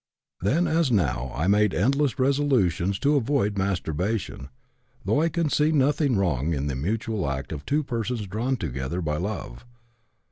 Then as now, I made endless resolutions to avoid masturbation, though I can see nothing wrong in the mutual act of two persons drawn together by love.